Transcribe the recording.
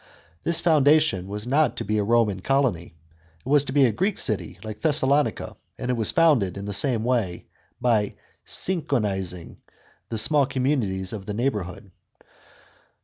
This foundation was not to be a Roman colony ; it was to be a Greek city like Thessalonica, and it was founded, in the same way, by syncecizing the small communities of the neigh bourhood.